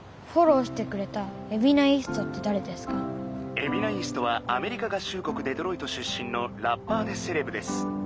「エビナ・イーストはアメリカ合衆国デトロイト出身のラッパーでセレブです」。